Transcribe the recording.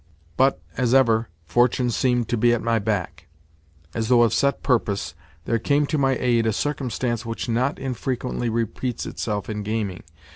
But, as ever, fortune seemed to be at my back. As though of set purpose, there came to my aid a circumstance which not infrequently repeats itself in gaming.